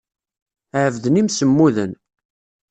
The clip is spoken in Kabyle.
Ɛebden imsemmuden.